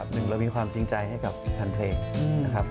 หนึ่งเรามีความจริงใจให้กับแฟนเพลงนะครับ